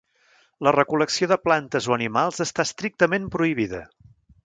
La recol·lecció de plantes o animals està estrictament prohibida.